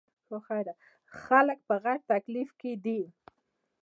خلک په غټ تکليف کښې دے ـ